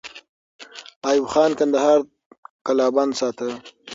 ایوب خان کندهار قلابند ساته.